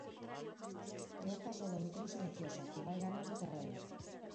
É o caso da ómicron silenciosa, que vai ganando terreo.